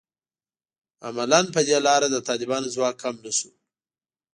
عملاً په دې لاره د طالبانو ځواک کم نه شو